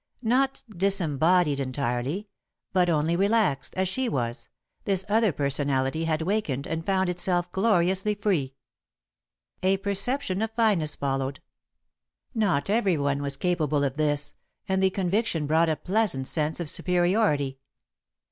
Not disembodied entirely, but only relaxed, as she was, this other personality had wakened and found itself gloriously free. [Sidenote: A New Self] A perception of fineness followed. Not everyone was capable of this, and the conviction brought a pleasant sense of superiority.